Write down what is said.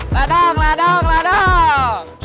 ledang ledang ledang